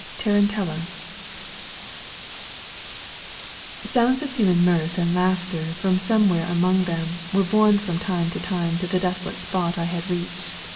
FROM 'TARANTELLA' Sounds of human mirth and laughter from somewhere among them were borne from time to time to the desolate spot I had reached.